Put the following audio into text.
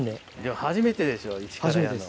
初めてでしょイチからやるの。